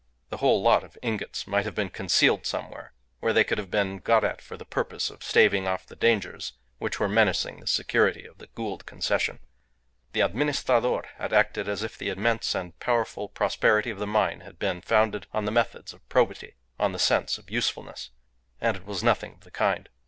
The whole lot of ingots might have been concealed somewhere where they could have been got at for the purpose of staving off the dangers which were menacing the security of the Gould Concession. The Administrador had acted as if the immense and powerful prosperity of the mine had been founded on methods of probity, on the sense of usefulness. And it was nothing of the kind.